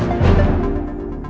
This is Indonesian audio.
aku mau ke rumah